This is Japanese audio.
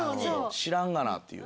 知らんがなっていう。